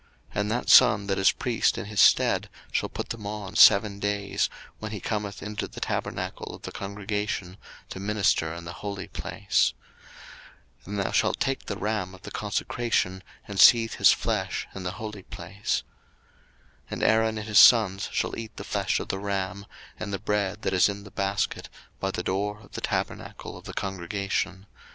02:029:030 And that son that is priest in his stead shall put them on seven days, when he cometh into the tabernacle of the congregation to minister in the holy place. 02:029:031 And thou shalt take the ram of the consecration, and seethe his flesh in the holy place. 02:029:032 And Aaron and his sons shall eat the flesh of the ram, and the bread that is in the basket by the door of the tabernacle of the congregation.